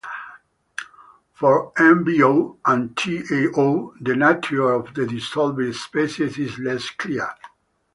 For NbO and TaO, the nature of the dissolved species is less clear.